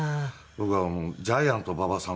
僕ジャイアント馬場さん。